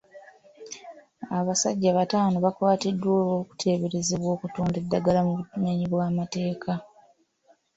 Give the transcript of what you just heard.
Abasajja bataano baakwatiddwa olw'okuteeberezebwa okutunda eddagala mu bumenyi bw'amateeka.